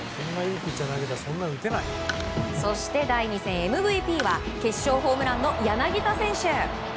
そして、第２戦ＭＶＰは決勝ホームランの柳田選手。